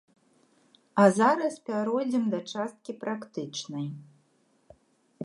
А зараз пяройдзем да часткі практычнай.